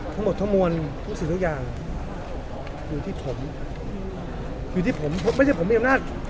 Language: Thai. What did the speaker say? มันก็หมดเท่ามนุษย์นะครับ